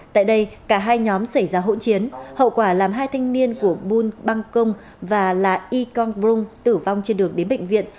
tại đây cả hai nhóm xảy ra hỗn chiến hậu quả làm hai thanh niên của buôn bang cung và y cong prung tử vong trên đường đến bệnh viện